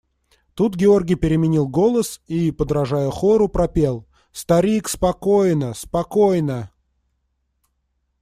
Тут Георгий переменил голос и, подражая хору, пропел: – Старик, спокойно… спокойно!